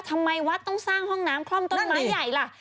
ทำไมวัดต้องสร้างห้องน้ำคล่อมต้นไม้ใหญ่ล่ะ